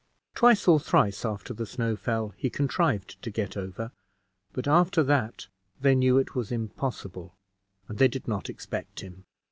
Twice or thrice after the snow fell, he contrived to get over; but after that they knew it was impossible, and they did not expect him.